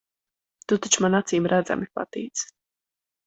Tu taču man acīmredzami patīc.